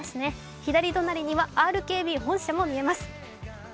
左隣にはＲＫＢ本社も見えます。